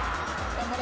頑張れ！